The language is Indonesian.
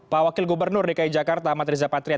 pak wakil gubernur dki jakarta amat riza patria